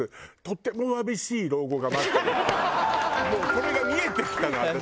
もうそれが見えてきたの私。